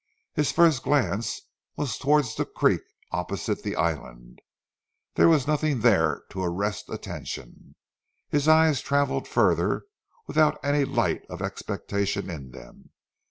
His first glance was towards the creek opposite the island. There was nothing there to arrest attention. His eyes travelled further without any light of expectation in them.